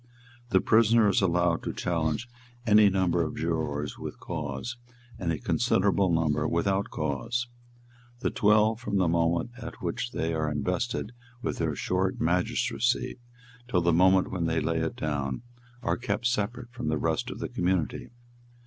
The prisoner is allowed to challenge any number of jurors with cause, and a considerable number without cause. The twelve, from the moment at which they are invested with their short magistracy, till the moment when they lay it down, are kept separate from the rest of the community.